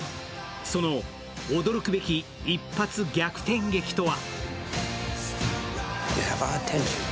その驚くべき一発逆転劇とは。